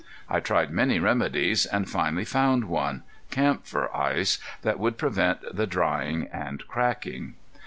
I tried many remedies, and finally found one, camphor ice, that would prevent the drying and cracking.